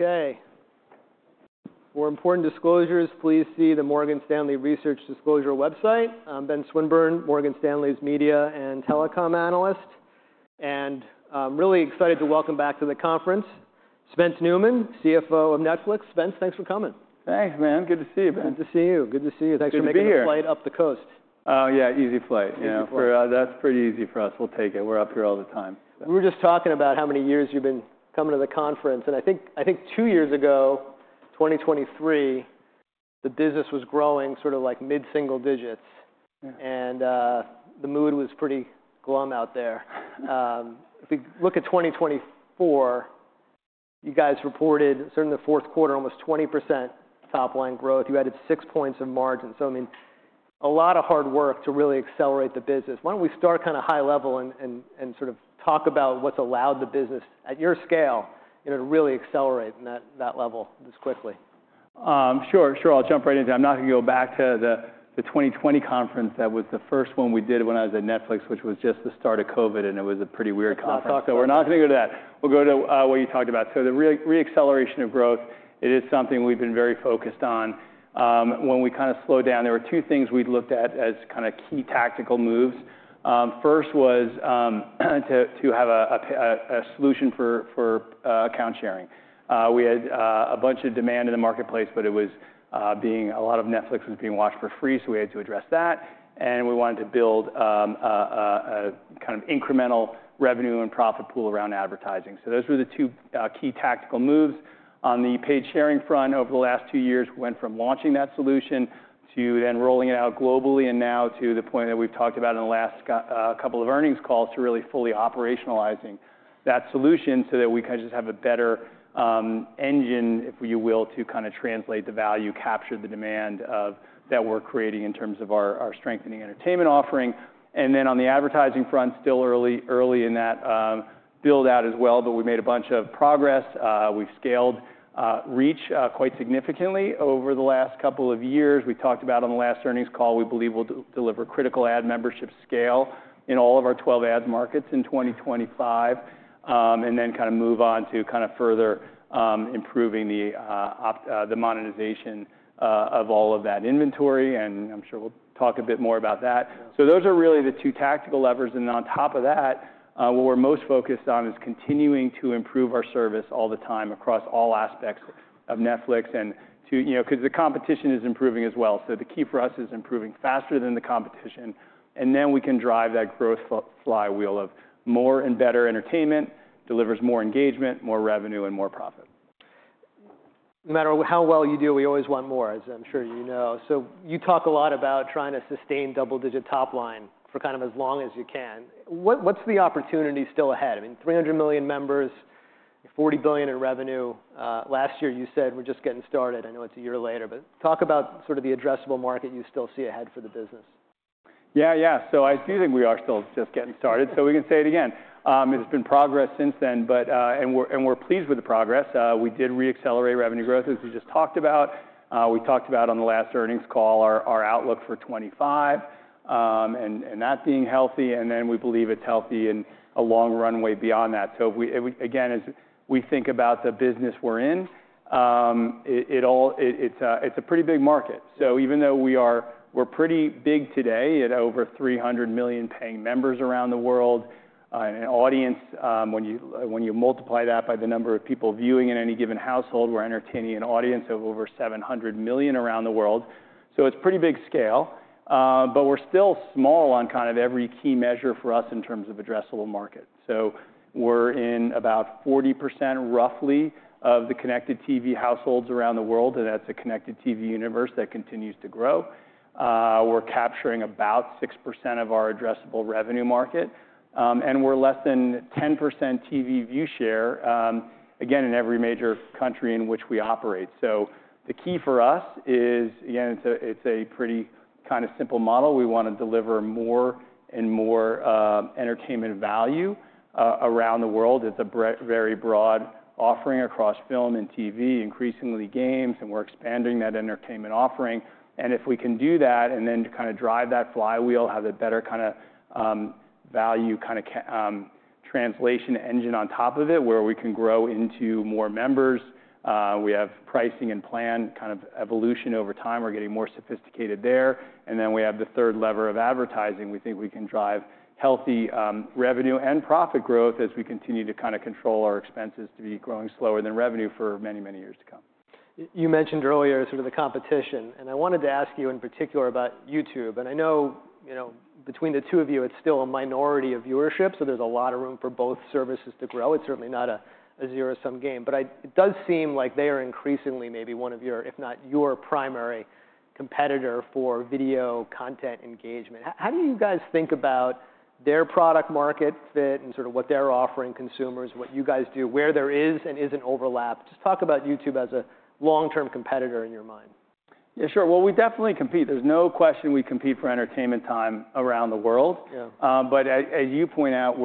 Okay. For important disclosures, please see the Morgan Stanley Research Disclosure website. I'm Ben Swinburne, Morgan Stanley's Media and Telecom Analyst. And I'm really excited to welcome back to the conference Spence Neumann, CFO of Netflix. Spence, thanks for coming. Thanks, man. Good to see you, Ben. Good to see you. Good to see you. Thanks for making the flight up the coast. Oh, yeah. Easy flight. Easy flight. That's pretty easy for us. We'll take it. We're up here all the time. We were just talking about how many years you've been coming to the conference. And I think two years ago, 2023, the business was growing sort of like mid-single digits. And the mood was pretty glum out there. If we look at 2024, you guys reported certainly in the fourth quarter almost 20% top-line growth. You added six points of margin. So, I mean, a lot of hard work to really accelerate the business. Why don't we start kind of high level and sort of talk about what's allowed the business, at your scale, to really accelerate that level this quickly? Sure. Sure. I'll jump right into it. I'm not going to go back to the 2020 conference. That was the first one we did when I was at Netflix, which was just the start of COVID, and it was a pretty weird conference. I'll talk about that. So we're not going to go to that. We'll go to what you talked about. So the reacceleration of growth, it is something we've been very focused on. When we kind of slowed down, there were two things we'd looked at as kind of key tactical moves. First was to have a solution for account sharing. We had a bunch of demand in the marketplace, but a lot of Netflix was being watched for free. So we had to address that. And we wanted to build a kind of incremental revenue and profit pool around advertising. So those were the two key tactical moves. On the paid sharing front, over the last two years, we went from launching that solution to then rolling it out globally and now to the point that we've talked about in the last couple of earnings calls to really fully operationalizing that solution so that we can just have a better engine, if you will, to kind of translate the value, capture the demand that we're creating in terms of our strengthening entertainment offering. And then on the advertising front, still early in that build-out as well. But we made a bunch of progress. We've scaled reach quite significantly over the last couple of years. We talked about, on the last earnings call, we believe we'll deliver critical ad membership scale in all of our 12 ads markets in 2025. And then kind of move on to kind of further improving the monetization of all of that inventory. And I'm sure we'll talk a bit more about that. So those are really the two tactical levers. And then on top of that, what we're most focused on is continuing to improve our service all the time across all aspects of Netflix because the competition is improving as well. So the key for us is improving faster than the competition. And then we can drive that growth flywheel of more and better entertainment, delivers more engagement, more revenue, and more profit. No matter how well you do, we always want more, as I'm sure you know. So you talk a lot about trying to sustain double-digit top line for kind of as long as you can. What's the opportunity still ahead? I mean, 300 million members, $40 billion in revenue. Last year, you said, "We're just getting started." I know it's a year later. But talk about sort of the addressable market you still see ahead for the business. Yeah. Yeah. So I do think we are still just getting started. So we can say it again. There's been progress since then. And we're pleased with the progress. We did reaccelerate revenue growth, as we just talked about. We talked about on the last earnings call our outlook for 2025 and that being healthy. And then we believe it's healthy in a long runway beyond that. So again, as we think about the business we're in, it's a pretty big market. So even though we are pretty big today at over 300 million paying members around the world and an audience, when you multiply that by the number of people viewing in any given household, we're entertaining an audience of over 700 million around the world. So it's pretty big scale. But we're still small on kind of every key measure for us in terms of addressable market. So we're in about 40%, roughly, of the connected TV households around the world. And that's a connected TV universe that continues to grow. We're capturing about 6% of our addressable revenue market. And we're less than 10% TV view share, again, in every major country in which we operate. So the key for us is, again, it's a pretty kind of simple model. We want to deliver more and more entertainment value around the world. It's a very broad offering across film and TV, increasingly games. And we're expanding that entertainment offering. And if we can do that and then kind of drive that flywheel, have a better kind of value kind of translation engine on top of it, where we can grow into more members. We have pricing and plan kind of evolution over time. We're getting more sophisticated there. And then we have the third lever of advertising. We think we can drive healthy revenue and profit growth as we continue to kind of control our expenses to be growing slower than revenue for many, many years to come. You mentioned earlier sort of the competition. And I wanted to ask you in particular about YouTube. And I know between the two of you, it's still a minority of viewership. So there's a lot of room for both services to grow. It's certainly not a zero-sum game. But it does seem like they are increasingly maybe one of your, if not your, primary competitor for video content engagement. How do you guys think about their product market fit and sort of what they're offering consumers, what you guys do, where there is and isn't overlap? Just talk about YouTube as a long-term competitor in your mind. Yeah. Sure. Well, we definitely compete. There's no question we compete for entertainment time around the world. But as you point out,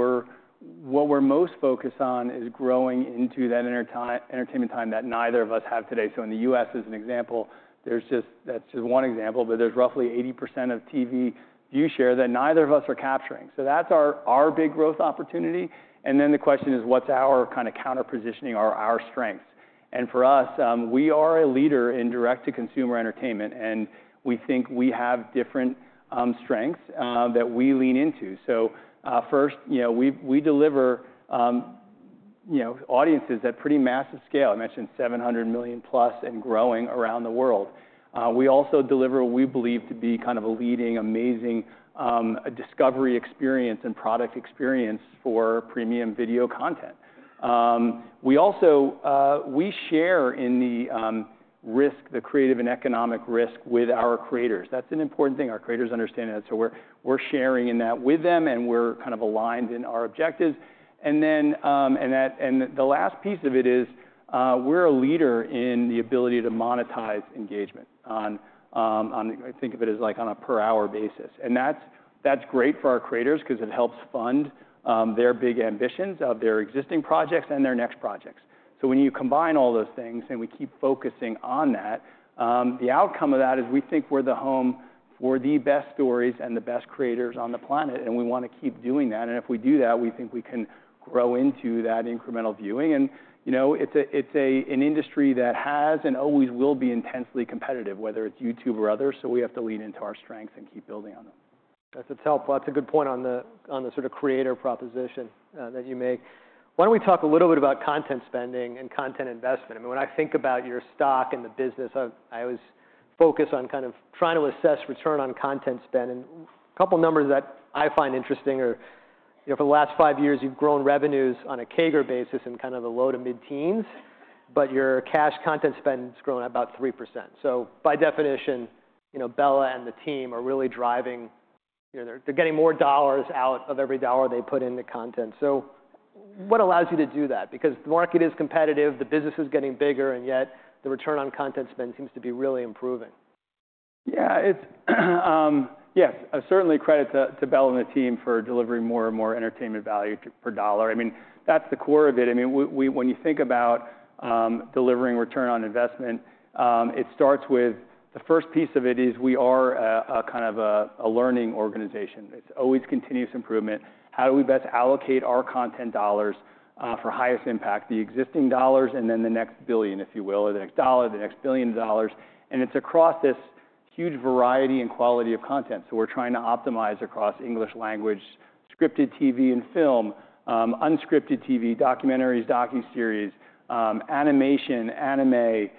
what we're most focused on is growing into that entertainment time that neither of us have today. So in the U.S., as an example, that's just one example. But there's roughly 80% of TV view share that neither of us are capturing. So that's our big growth opportunity. And then the question is, what's our kind of counterpositioning or our strengths? And for us, we are a leader in direct-to-consumer entertainment. And we think we have different strengths that we lean into. So first, we deliver audiences at pretty massive scale. I mentioned 700 million plus and growing around the world. We also deliver what we believe to be kind of a leading, amazing discovery experience and product experience for premium video content. We share in the risk, the creative and economic risk with our creators. That's an important thing. Our creators understand that. So we're sharing in that with them. And we're kind of aligned in our objectives. And the last piece of it is we're a leader in the ability to monetize engagement. I think of it as like on a per-hour basis. And that's great for our creators because it helps fund their big ambitions of their existing projects and their next projects. So when you combine all those things and we keep focusing on that, the outcome of that is we think we're the home for the best stories and the best creators on the planet. And we want to keep doing that. And if we do that, we think we can grow into that incremental viewing. It's an industry that has and always will be intensely competitive, whether it's YouTube or others. We have to lean into our strengths and keep building on them. That's a good point on the sort of creator proposition that you make. Why don't we talk a little bit about content spending and content investment? I mean, when I think about your stock and the business, I always focus on kind of trying to assess return on content spend, and a couple of numbers that I find interesting are for the last five years, you've grown revenues on a CAGR basis in kind of the low- to mid-teens, but your cash content spend has grown about 3%, so by definition, Bela and the team are really driving. They're getting more dollars out of every dollar they put into content, so what allows you to do that? Because the market is competitive, the business is getting bigger, and yet the return on content spend seems to be really improving. Yeah. Yes. Certainly credit to Bela and the team for delivering more and more entertainment value per dollar. I mean, that's the core of it. I mean, when you think about delivering return on investment, it starts with the first piece of it is we are kind of a learning organization. It's always continuous improvement. How do we best allocate our content dollars for highest impact? The existing dollars and then the next billion, if you will, or the next dollar, the next billion dollars. And it's across this huge variety and quality of content. So we're trying to optimize across English language, scripted TV and film, unscripted TV, documentaries, docuseries, animation, anime.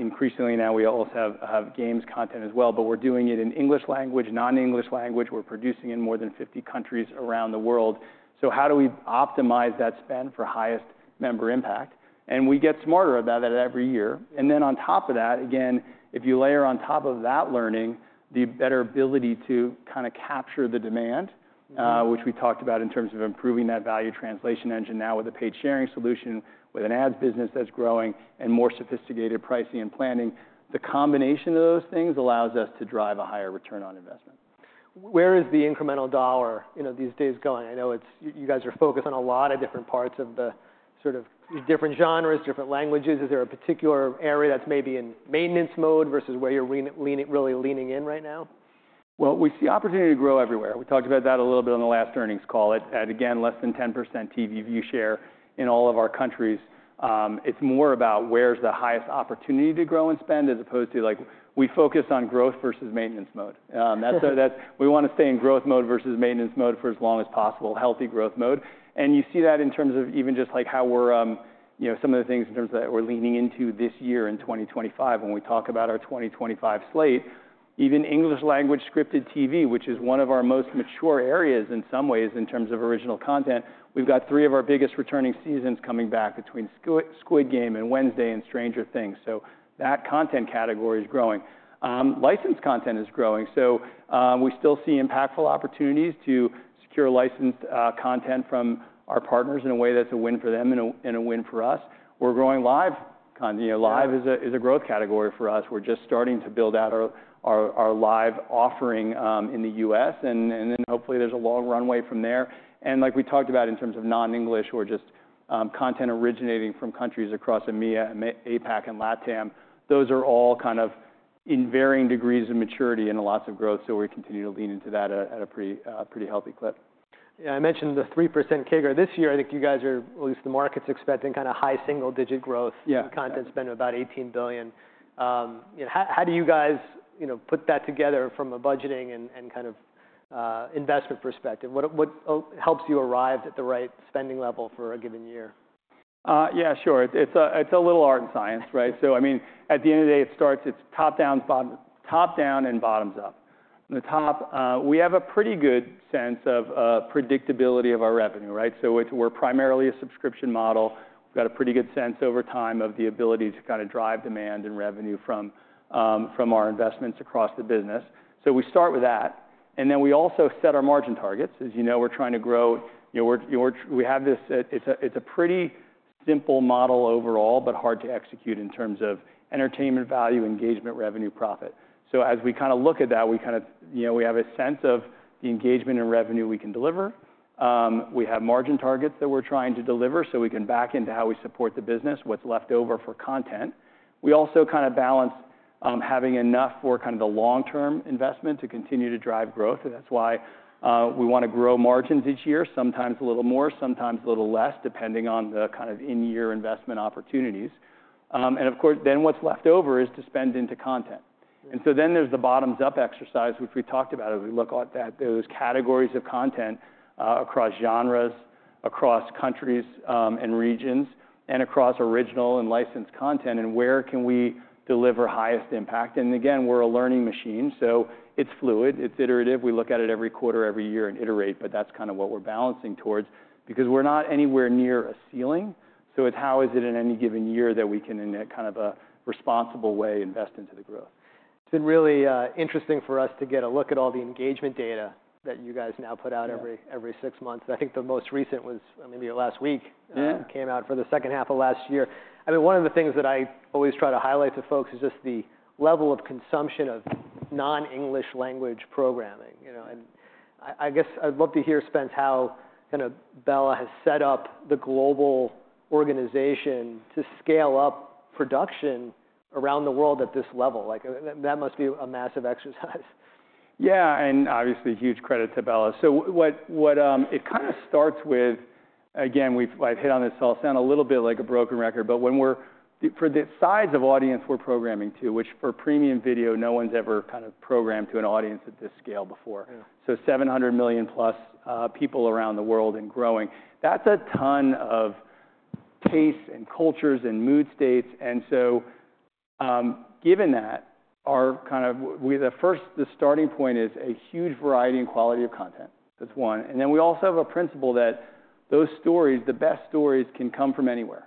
Increasingly now, we also have games content as well. But we're doing it in English language, non-English language. We're producing in more than 50 countries around the world. So how do we optimize that spend for highest member impact? And we get smarter about that every year. And then on top of that, again, if you layer on top of that learning the better ability to kind of capture the demand, which we talked about in terms of improving that value translation engine now with a paid sharing solution, with an ads business that's growing, and more sophisticated pricing and planning, the combination of those things allows us to drive a higher return on investment. Where is the incremental dollar these days going? I know you guys are focused on a lot of different parts of the sort of different genres, different languages. Is there a particular area that's maybe in maintenance mode versus where you're really leaning in right now? We see opportunity to grow everywhere. We talked about that a little bit on the last earnings call. Again, less than 10% TV view share in all of our countries. It's more about where's the highest opportunity to grow and spend as opposed to we focus on growth versus maintenance mode. We want to stay in growth mode versus maintenance mode for as long as possible, healthy growth mode. And you see that in terms of even just like how we're some of the things in terms of that we're leaning into this year in 2025 when we talk about our 2025 slate. Even English language scripted TV, which is one of our most mature areas in some ways in terms of original content, we've got three of our biggest returning seasons coming back between "Squid Game" and "Wednesday" and "Stranger Things." So that content category is growing. Licensed content is growing. So we still see impactful opportunities to secure licensed content from our partners in a way that's a win for them and a win for us. We're growing live. Live is a growth category for us. We're just starting to build out our live offering in the U.S. And then hopefully there's a long runway from there. And like we talked about in terms of non-English or just content originating from countries across EMEA, APAC, and LATAM, those are all kind of in varying degrees of maturity and lots of growth. So we continue to lean into that at a pretty healthy clip. Yeah. I mentioned the 3% CAGR this year. I think you guys are, at least the market's expecting kind of high single-digit growth. Content spend of about $18 billion. How do you guys put that together from a budgeting and kind of investment perspective? What helps you arrive at the right spending level for a given year? Yeah. Sure. It's a little art and science. So I mean, at the end of the day, it starts top-down and bottom-up. At the top, we have a pretty good sense of predictability of our revenue. So we're primarily a subscription model. We've got a pretty good sense over time of the ability to kind of drive demand and revenue from our investments across the business. So we start with that, and then we also set our margin targets. As you know, we're trying to grow. We have this. It's a pretty simple model overall, but hard to execute in terms of entertainment value, engagement, revenue, profit. So as we kind of look at that, we kind of have a sense of the engagement and revenue we can deliver. We have margin targets that we're trying to deliver so we can back into how we support the business, what's left over for content. We also kind of balance having enough for kind of the long-term investment to continue to drive growth. That's why we want to grow margins each year, sometimes a little more, sometimes a little less, depending on the kind of in-year investment opportunities, and of course, then what's left over is to spend into content, and so then there's the bottoms-up exercise, which we talked about as we look at those categories of content across genres, across countries and regions, and across original and licensed content, and where can we deliver highest impact, and again, we're a learning machine, so it's fluid. It's iterative. We look at it every quarter, every year and iterate. but that's kind of what we're balancing towards because we're not anywhere near a ceiling, so it's how is it in any given year that we can, in a kind of a responsible way, invest into the growth. It's been really interesting for us to get a look at all the engagement data that you guys now put out every six months. I think the most recent was maybe last week came out for the second half of last year. I mean, one of the things that I always try to highlight to folks is just the level of consumption of non-English language programming. And I guess I'd love to hear, Spence, how kind of Bela has set up the global organization to scale up production around the world at this level. That must be a massive exercise. Yeah. And obviously, huge credit to Bela. So it kind of starts with, again, we've hit on this all sound a little bit like a broken record. But for the size of audience we're programming to, which for premium video, no one's ever kind of programmed to an audience at this scale before. So 700 million plus people around the world and growing. That's a ton of tastes and cultures and mood states. And so given that, our kind of the starting point is a huge variety and quality of content. That's one. And then we also have a principle that those stories, the best stories, can come from anywhere.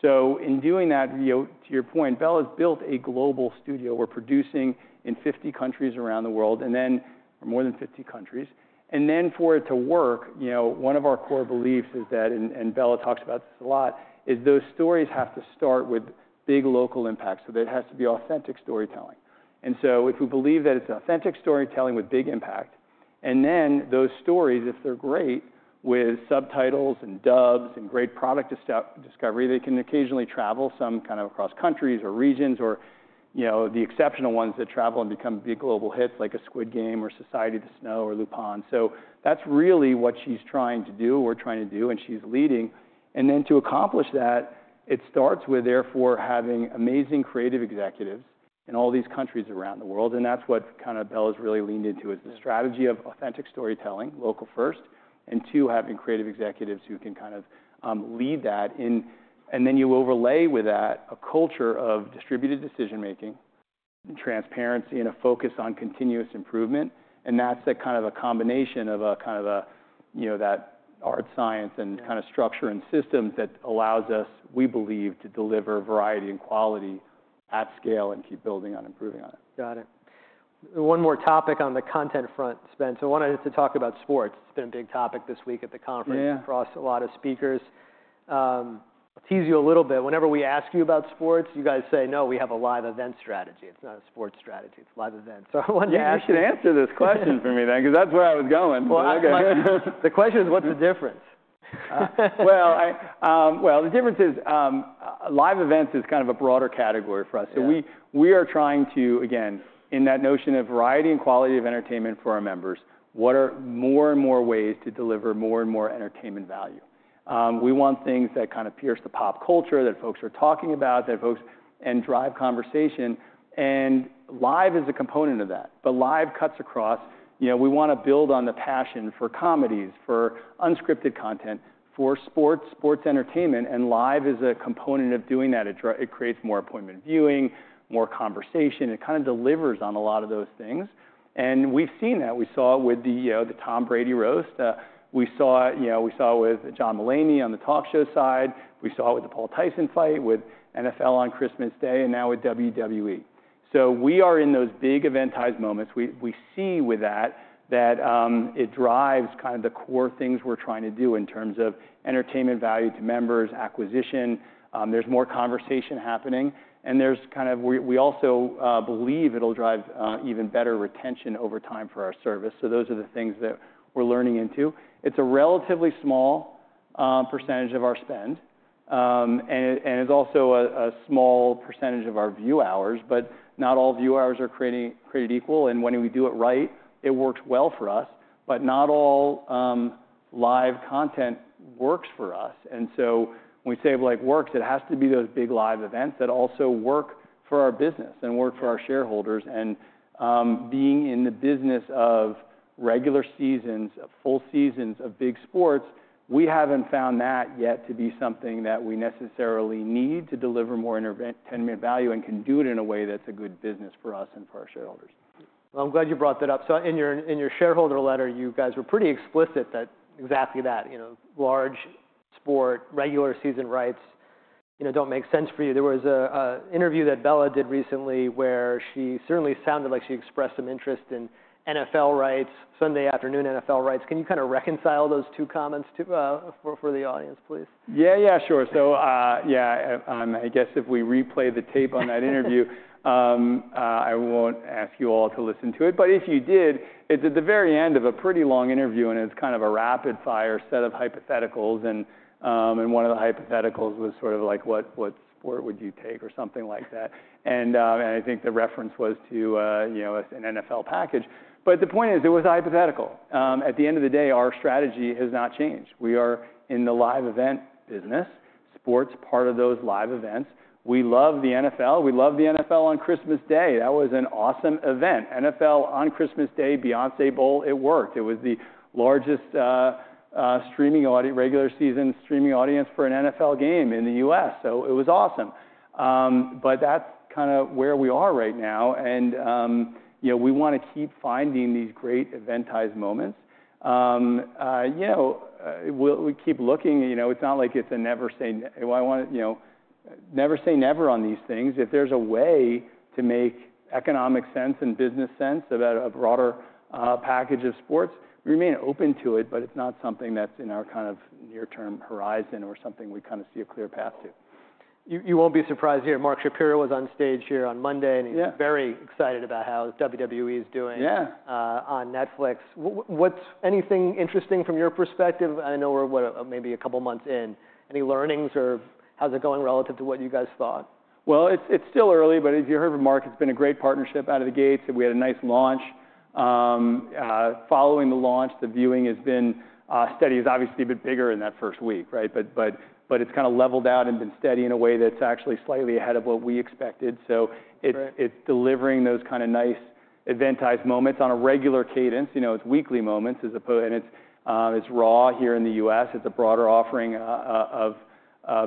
So in doing that, to your point, Bela has built a global studio. We're producing in 50 countries around the world, and then more than 50 countries. Then for it to work, one of our core beliefs is that, and Bela talks about this a lot, is those stories have to start with big local impact. So there has to be authentic storytelling. And so if we believe that it's authentic storytelling with big impact, and then those stories, if they're great with subtitles and dubs and great product discovery, they can occasionally travel some kind of across countries or regions or the exceptional ones that travel and become big global hits like "Squid Game" or "Society of the Snow" or "Lupin." So that's really what she's trying to do, and she's leading. And then to accomplish that, it starts with therefore having amazing creative executives in all these countries around the world. That's what kind of Bela's really leaned into is the strategy of authentic storytelling, local first, and too, having creative executives who can kind of lead that. Then you overlay with that a culture of distributed decision-making and transparency and a focus on continuous improvement. That's kind of a combination of kind of that art, science, and kind of structure and systems that allows us, we believe, to deliver variety and quality at scale and keep building on improving on it. Got it. One more topic on the content front, Spence. I wanted to talk about sports. It's been a big topic this week at the conference across a lot of speakers. I'll tease you a little bit. Whenever we ask you about sports, you guys say, "No, we have a live event strategy. It's not a sports strategy. It's live events." So I wanted to ask you. Yeah. You should answer this question for me then because that's where I was going. The question is, what's the difference? The difference is live events is kind of a broader category for us. So we are trying to, again, in that notion of variety and quality of entertainment for our members, what are more and more ways to deliver more and more entertainment value? We want things that kind of pierce the pop culture that folks are talking about and drive conversation. And live is a component of that. But live cuts across. We want to build on the passion for comedies, for unscripted content, for sports, sports entertainment. And live is a component of doing that. It creates more appointment viewing, more conversation. It kind of delivers on a lot of those things. And we've seen that. We saw it with the Tom Brady roast. We saw it with John Mulaney on the talk show side. We saw it with the Jake Paul-Tyson fight, with NFL on Christmas Day, and now with WWE, so we are in those big eventized moments. We see with that that it drives kind of the core things we're trying to do in terms of entertainment value to members, acquisition. There's more conversation happening, and there's kind of we also believe it'll drive even better retention over time for our service, so those are the things that we're leaning into. It's a relatively small percentage of our spend, and it's also a small percentage of our view hours. But not all view hours are created equal, and when we do it right, it works well for us. But not all live content works for us, and so when we say it works, it has to be those big live events that also work for our business and work for our shareholders. Being in the business of regular seasons, of full seasons, of big sports, we haven't found that yet to be something that we necessarily need to deliver more entertainment value and can do it in a way that's a good business for us and for our shareholders. I'm glad you brought that up. In your shareholder letter, you guys were pretty explicit that exactly that, large sport, regular season rights don't make sense for you. There was an interview that Bela did recently where she certainly sounded like she expressed some interest in NFL rights, Sunday afternoon NFL rights. Can you kind of reconcile those two comments for the audience, please? Yeah. Yeah. Sure. So yeah, I guess if we replay the tape on that interview, I won't ask you all to listen to it. But if you did, it's at the very end of a pretty long interview, and it's kind of a rapid-fire set of hypotheticals. And one of the hypotheticals was sort of like, "What sport would you take?" or something like that. And I think the reference was to an NFL package. But the point is, it was a hypothetical. At the end of the day, our strategy has not changed. We are in the live event business. Sports are part of those live events. We love the NFL. We love the NFL on Christmas Day. That was an awesome event. NFL on Christmas Day, Beyoncé Bowl, it worked. It was the largest regular season streaming audience for an NFL game in the U.S. So it was awesome. But that's kind of where we are right now. And we want to keep finding these great eventized moments. We keep looking. It's not like it's a never say never on these things. If there's a way to make economic sense and business sense about a broader package of sports, we remain open to it. But it's not something that's in our kind of near-term horizon or something we kind of see a clear path to. You won't be surprised here. Mark Shapiro was on stage here on Monday, and he's very excited about how WWE is doing on Netflix. Anything interesting from your perspective? I know we're maybe a couple of months in. Any learnings? Or how's it going relative to what you guys thought? Well, it's still early. But as you heard from Mark, it's been a great partnership out of the gates. And we had a nice launch. Following the launch, the viewing has been steady. It's obviously been bigger in that first week. But it's kind of leveled out and been steady in a way that's actually slightly ahead of what we expected. So it's delivering those kind of nice eventized moments on a regular cadence. It's weekly moments. And it's Raw here in the U.S. It's a broader offering of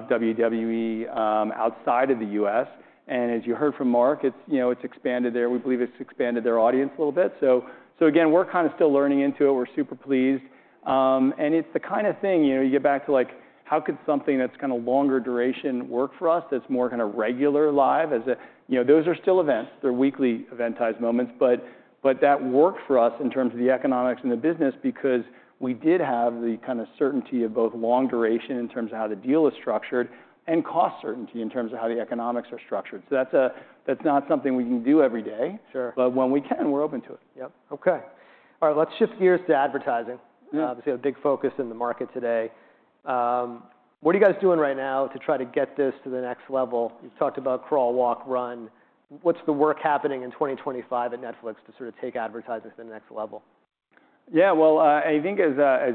WWE outside of the U.S. And as you heard from Mark, it's expanded there. We believe it's expanded their audience a little bit. So again, we're kind of still learning into it. We're super pleased. It's the kind of thing you get back to like, how could something that's kind of longer duration work for us that's more kind of regular live? Those are still events. They're weekly eventized moments. But that worked for us in terms of the economics and the business because we did have the kind of certainty of both long duration in terms of how the deal is structured and cost certainty in terms of how the economics are structured. So that's not something we can do every day. But when we can, we're open to it. Yep. Okay. All right. Let's shift gears to advertising. Obviously, a big focus in the market today. What are you guys doing right now to try to get this to the next level? You've talked about crawl, walk, run. What's the work happening in 2025 at Netflix to sort of take advertising to the next level? Yeah. Well, I think as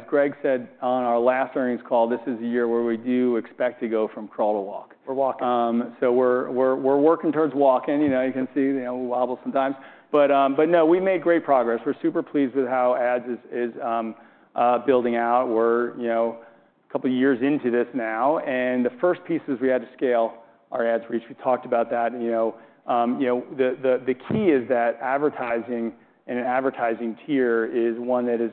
Greg said on our last earnings call, this is a year where we do expect to go from crawl to walk. We're walking. We're working towards walking. You can see we wobble sometimes, but no, we've made great progress. We're super pleased with how ads is building out. We're a couple of years into this now, and the first pieces we had to scale our ads reach. We talked about that. The key is that advertising and an advertising tier is one that is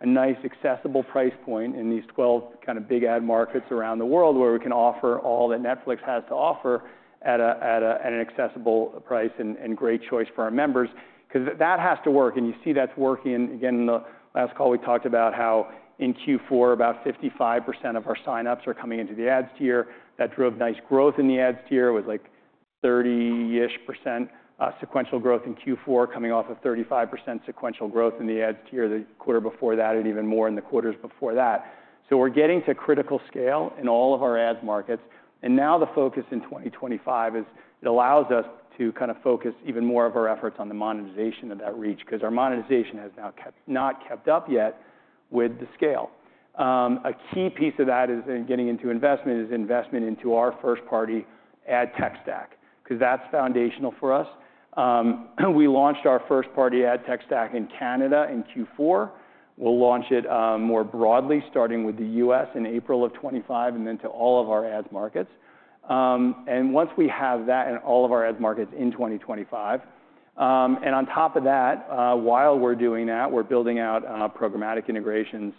a nice accessible price point in these 12 kind of big ad markets around the world where we can offer all that Netflix has to offer at an accessible price and great choice for our members because that has to work, and you see that's working. Again, in the last call, we talked about how in Q4, about 55% of our signups are coming into the ads tier. That drove nice growth in the ads tier. It was like 30-ish% sequential growth in Q4 coming off of 35% sequential growth in the ads tier the quarter before that and even more in the quarters before that. So we're getting to critical scale in all of our ads markets. And now the focus in 2025 is it allows us to kind of focus even more of our efforts on the monetization of that reach because our monetization has not kept up yet with the scale. A key piece of that is investment into our first-party ad tech stack because that's foundational for us. We launched our first-party ad tech stack in Canada in Q4. We'll launch it more broadly starting with the U.S. in April of 2025 and then to all of our ads markets. And once we have that in all of our ads markets in 2025, and on top of that, while we're doing that, we're building out programmatic integrations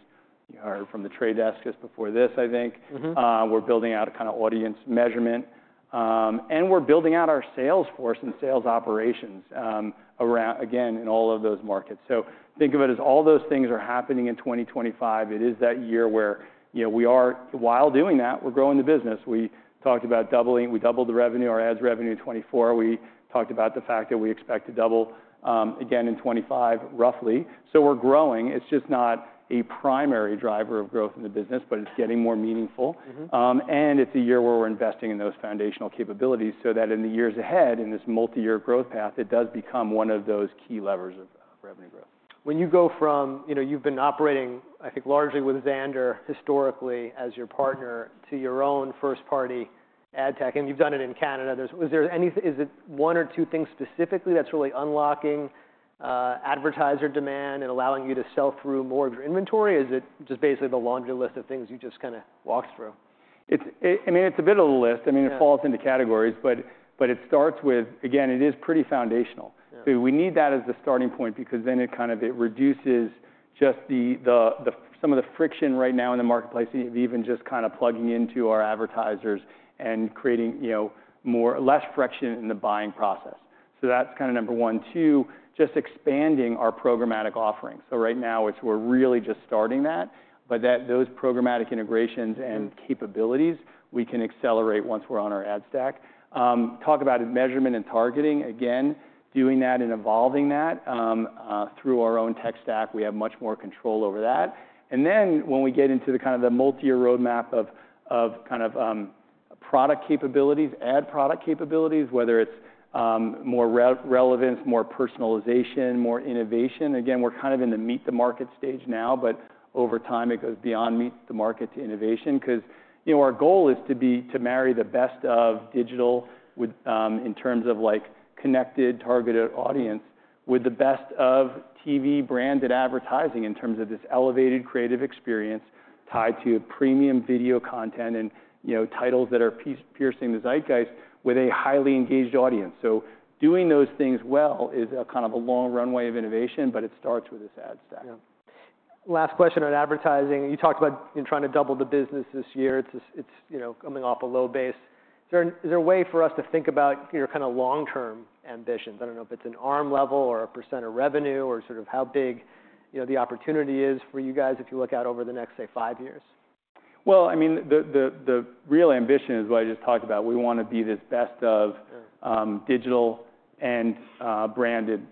from The Trade Desk just before this, I think. We're building out kind of audience measurement. And we're building out our sales force and sales operations around, again, in all of those markets. So think of it as all those things are happening in 2025. It is that year where we are, while doing that, we're growing the business. We talked about doubling. We doubled the revenue, our ads revenue in 2024. We talked about the fact that we expect to double again in 2025, roughly. So we're growing. It's just not a primary driver of growth in the business, but it's getting more meaningful. It's a year where we're investing in those foundational capabilities so that in the years ahead, in this multi-year growth path, it does become one of those key levers of revenue growth. When you go from you've been operating, I think, largely with Xandr historically as your partner to your own first-party ad tech, and you've done it in Canada. Is there one or two things specifically that's really unlocking advertiser demand and allowing you to sell through more of your inventory? Is it just basically the laundry list of things you just kind of walked through? I mean, it's a bit of a list. I mean, it falls into categories. But it starts with, again, it is pretty foundational. We need that as the starting point because then it kind of reduces just some of the friction right now in the marketplace of even just kind of plugging into our advertisers and creating less friction in the buying process. So that's kind of number one. Two, just expanding our programmatic offering. So right now, we're really just starting that. But those programmatic integrations and capabilities we can accelerate once we're on our ad stack. Talk about measurement and targeting. Again, doing that and evolving that through our own tech stack, we have much more control over that. And then when we get into kind of the multi-year roadmap of kind of product capabilities, ad product capabilities, whether it's more relevance, more personalization, more innovation. Again, we're kind of in the meet-the-market stage now. But over time, it goes beyond meet-the-market to innovation because our goal is to marry the best of digital in terms of connected, targeted audience with the best of TV branded advertising in terms of this elevated creative experience tied to premium video content and titles that are piercing the zeitgeist with a highly engaged audience. So doing those things well is kind of a long runway of innovation. But it starts with this ad stack. Yeah. Last question on advertising. You talked about trying to double the business this year. It's coming off a low base. Is there a way for us to think about your kind of long-term ambitions? I don't know if it's an ARPU level or a percent of revenue or sort of how big the opportunity is for you guys if you look out over the next, say, five years? Well, I mean, the real ambition is what I just talked about. We want to be the best of digital and branded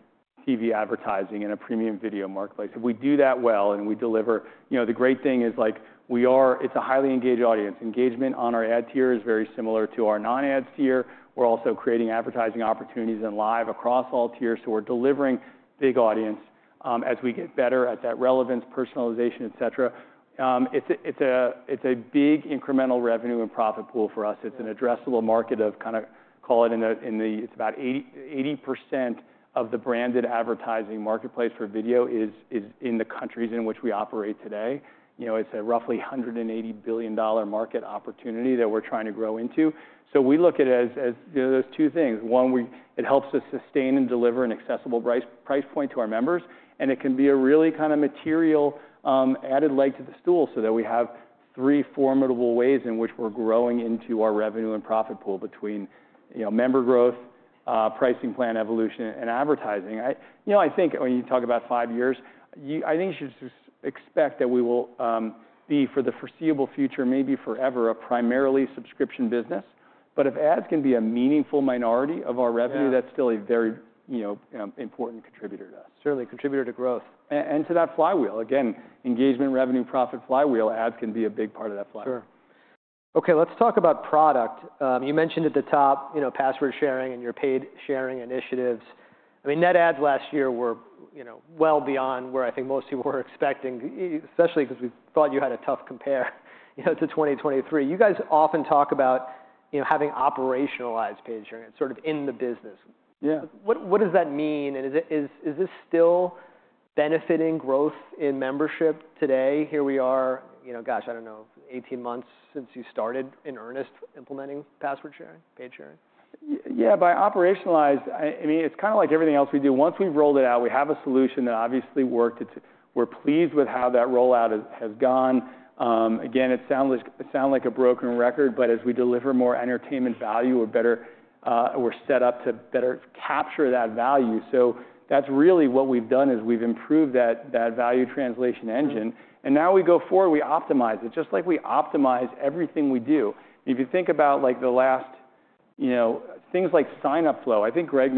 TV advertising in a premium video marketplace. If we do that well and we deliver, the great thing is it's a highly engaged audience. Engagement on our ad tier is very similar to our non-ads tier. We're also creating advertising opportunities in live across all tiers. So we're delivering big audience as we get better at that relevance, personalization, et cetera. It's a big incremental revenue and profit pool for us. It's an addressable market of kind of call it, it's about 80% of the branded advertising marketplace for video is in the countries in which we operate today. It's a roughly $180 billion market opportunity that we're trying to grow into. So we look at it as those two things. One, it helps us sustain and deliver an accessible price point to our members. And it can be a really kind of material added leg to the stool so that we have three formidable ways in which we're growing into our revenue and profit pool between member growth, pricing plan evolution, and advertising. I think when you talk about five years, I think you should expect that we will be, for the foreseeable future, maybe forever, a primarily subscription business. But if ads can be a meaningful minority of our revenue, that's still a very important contributor to us. Certainly a contributor to growth. And to that flywheel. Again, engagement, revenue, profit flywheel, ads can be a big part of that flywheel. Sure. Okay. Let's talk about product. You mentioned at the top password sharing and your paid sharing initiatives. I mean, net adds last year were well beyond where I think most people were expecting, especially because we thought you had a tough compare to 2023. You guys often talk about having operationalized paid sharing. It's sort of in the business. Yeah. What does that mean? And is this still benefiting growth in membership today? Here we are, gosh, I don't know, 18 months since you started in earnest implementing password sharing, paid sharing. Yeah. By operationalized, I mean, it's kind of like everything else we do. Once we've rolled it out, we have a solution that obviously worked. We're pleased with how that rollout has gone. Again, it sounds like a broken record. But as we deliver more entertainment value, we're set up to better capture that value. So that's really what we've done is we've improved that value translation engine. And now we go forward. We optimize it just like we optimize everything we do. If you think about the last things like signup flow, I think Greg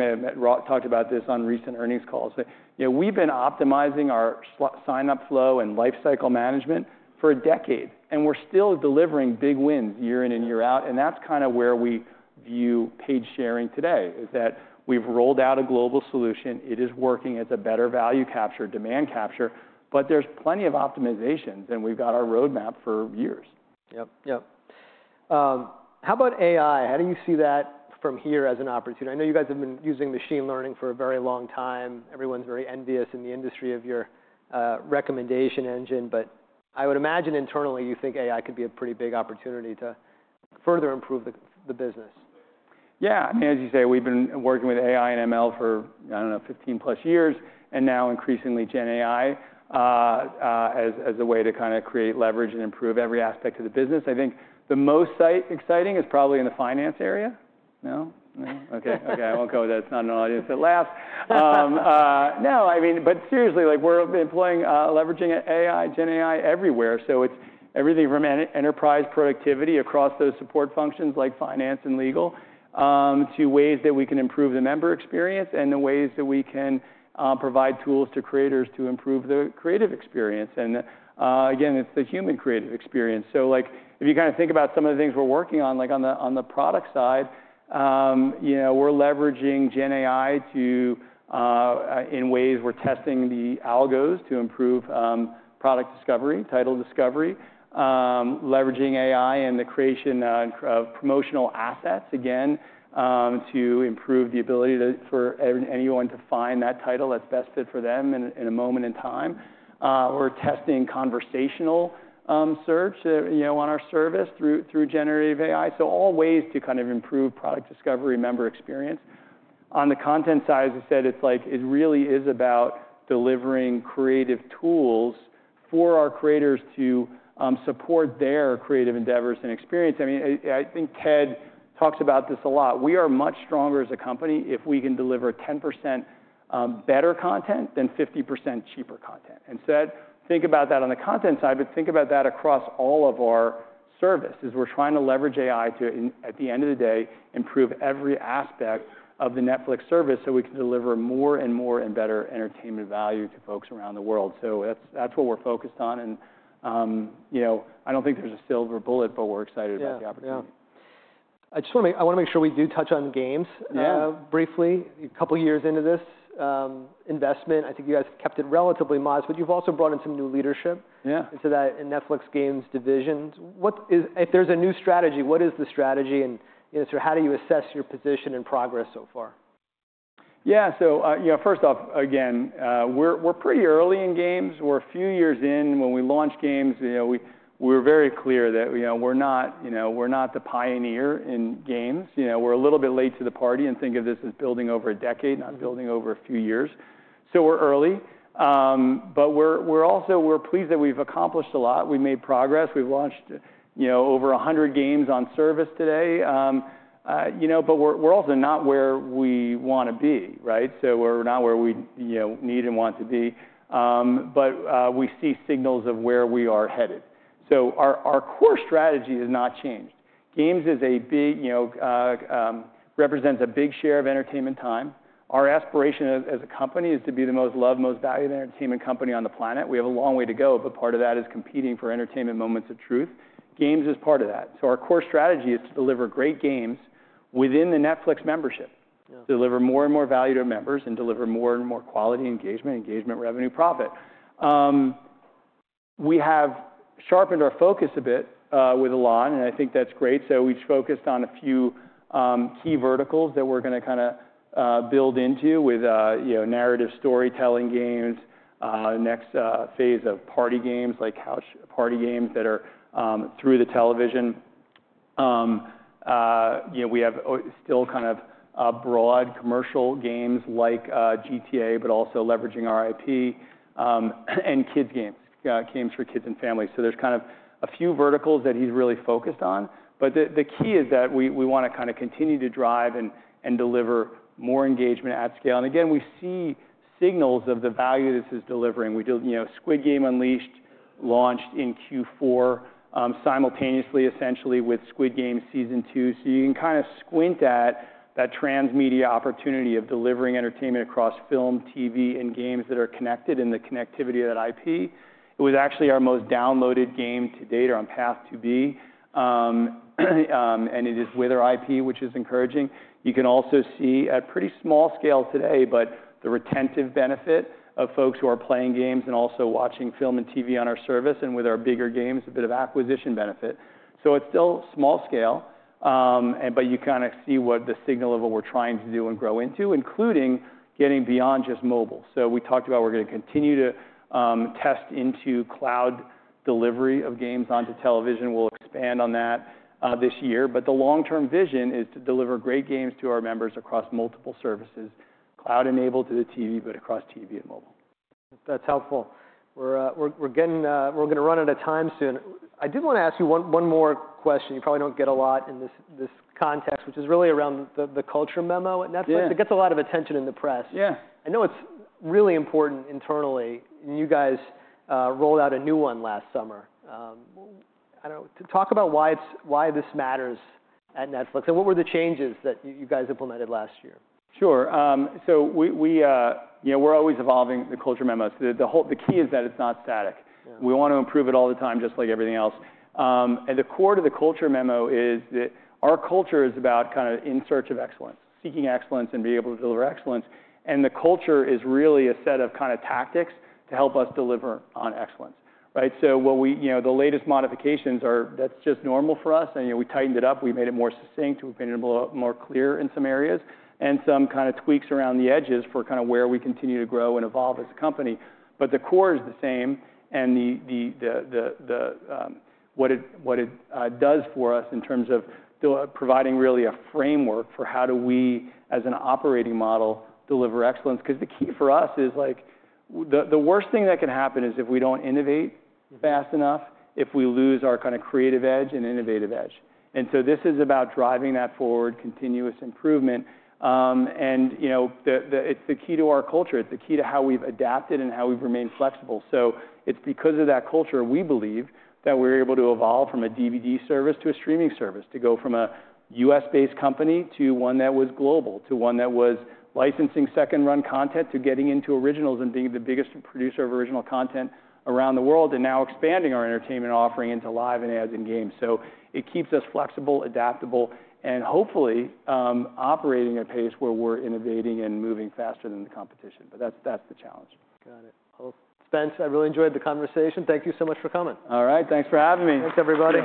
talked about this on recent earnings calls. We've been optimizing our signup flow and lifecycle management for a decade. And we're still delivering big wins year in and year out. And that's kind of where we view paid sharing today is that we've rolled out a global solution. It is working. It's a better value capture, demand capture. But there's plenty of optimizations. And we've got our roadmap for years. Yep, yep. How about AI? How do you see that from here as an opportunity? I know you guys have been using machine learning for a very long time. Everyone's very envious in the industry of your recommendation engine. But I would imagine internally, you think AI could be a pretty big opportunity to further improve the business. Yeah. I mean, as you say, we've been working with AI and ML for, I don't know, 15+ years, and now increasingly GenAI as a way to kind of create leverage and improve every aspect of the business. I think the most exciting is probably in the finance area. No? No? Okay. Okay. I won't go with that. It's not an audience that laughs. No. I mean, but seriously, we're leveraging AI, GenAI everywhere. So it's everything from enterprise productivity across those support functions like finance and legal to ways that we can improve the member experience and the ways that we can provide tools to creators to improve the creative experience, and again, it's the human creative experience. So if you kind of think about some of the things we're working on, like on the product side, we're leveraging GenAI in ways we're testing the algos to improve product discovery, title discovery, leveraging AI in the creation of promotional assets, again, to improve the ability for anyone to find that title that's best fit for them in a moment in time. We're testing conversational search on our service through generative AI. So all ways to kind of improve product discovery, member experience. On the content side, as I said, it really is about delivering creative tools for our creators to support their creative endeavors and experience. I mean, I think Ted talks about this a lot. We are much stronger as a company if we can deliver 10% better content than 50% cheaper content. And so think about that on the content side. But think about that across all of our services as we're trying to leverage AI to, at the end of the day, improve every aspect of the Netflix service so we can deliver more and more and better entertainment value to folks around the world. So that's what we're focused on. And I don't think there's a silver bullet, but we're excited about the opportunity. Yeah. I just want to make sure we do touch on games briefly. A couple of years into this investment, I think you guys kept it relatively modest. But you've also brought in some new leadership into that in Netflix Games division. If there's a new strategy, what is the strategy? And so how do you assess your position and progress so far? Yeah. So first off, again, we're pretty early in games. We're a few years in. When we launched games, we were very clear that we're not the pioneer in games. We're a little bit late to the party and think of this as building over a decade, not building over a few years. So we're early. But we're also pleased that we've accomplished a lot. We've made progress. We've launched over 100 games on service today. But we're also not where we want to be, right? So we're not where we need and want to be. But we see signals of where we are headed. So our core strategy has not changed. Games represents a big share of entertainment time. Our aspiration as a company is to be the most loved, most valued entertainment company on the planet. We have a long way to go. But part of that is competing for entertainment moments of truth. Games is part of that. So our core strategy is to deliver great games within the Netflix membership, deliver more and more value to our members, and deliver more and more quality engagement, engagement, revenue, profit. We have sharpened our focus a bit with Alain. And I think that's great. So we've focused on a few key verticals that we're going to kind of build into with narrative storytelling games, next phase of party games like couch party games that are through the television. We have still kind of broad commercial games like GTA, but also leveraging our IP and kids games, games for kids and families. So there's kind of a few verticals that he's really focused on. But the key is that we want to kind of continue to drive and deliver more engagement at scale. And again, we see signals of the value this is delivering. Squid Game Unleashed launched in Q4 simultaneously, essentially, with Squid Game season two. So you can kind of squint at that transmedia opportunity of delivering entertainment across film, TV, and games that are connected in the connectivity of that IP. It was actually our most downloaded game to date or on path to be. And it is with our IP, which is encouraging. You can also see at pretty small scale today, but the retentive benefit of folks who are playing games and also watching film and TV on our service and with our bigger games, a bit of acquisition benefit. So it's still small scale. But you kind of see what the signal of what we're trying to do and grow into, including getting beyond just mobile. We talked about we're going to continue to test into cloud delivery of games onto television. We'll expand on that this year. The long-term vision is to deliver great games to our members across multiple services, cloud-enabled to the TV, but across TV and mobile. That's helpful. We're going to run out of time soon. I did want to ask you one more question. You probably don't get a lot in this context, which is really around the culture memo at Netflix. It gets a lot of attention in the press. Yeah. I know it's really important internally. And you guys rolled out a new one last summer. I don't know. Talk about why this matters at Netflix. And what were the changes that you guys implemented last year? Sure. So we're always evolving the culture memos. The key is that it's not static. We want to improve it all the time, just like everything else. And the core to the culture memo is that our culture is about kind of in search of excellence, seeking excellence and being able to deliver excellence. And the culture is really a set of kind of tactics to help us deliver on excellence, right? So the latest modifications are. That's just normal for us. And we tightened it up. We made it more succinct. We've made it a little more clear in some areas and some kind of tweaks around the edges for kind of where we continue to grow and evolve as a company. But the core is the same. And what it does for us in terms of providing really a framework for how do we, as an operating model, deliver excellence. Because the key for us is the worst thing that can happen is if we don't innovate fast enough, if we lose our kind of creative edge and innovative edge. And so this is about driving that forward, continuous improvement. And it's the key to our culture. It's the key to how we've adapted and how we've remained flexible. So it's because of that culture, we believe, that we're able to evolve from a DVD service to a streaming service, to go from a U.S.-based company to one that was global, to one that was licensing second-run content, to getting into originals and being the biggest producer of original content around the world, and now expanding our entertainment offering into live and ads and games. So it keeps us flexible, adaptable, and hopefully operating at a pace where we're innovating and moving faster than the competition. But that's the challenge. Got it. Well, Spence, I really enjoyed the conversation. Thank you so much for coming. All right. Thanks for having me. Thanks, everybody.